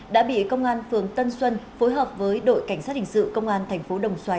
đã bị công an phường tân xuân phối hợp với đội cảnh sát hình sự công an thành phố đồng xoài